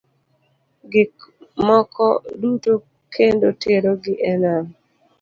Gik moko duto kendo tero gi e nam.